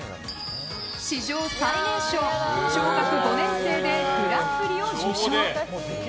史上最年少、小学５年生でグランプリを受賞！